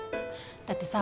だってさ